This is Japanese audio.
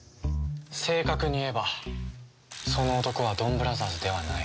正確に言えばその男はドンブラザーズではない。